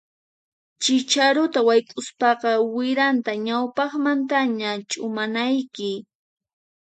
Chicharuta wayk'uspaqa wiranta ñawpaqmantaña ch'umanayki.